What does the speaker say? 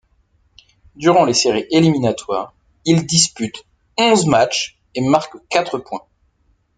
Durant les séries éliminatoires, il dispute onze matchs et marque quatre points.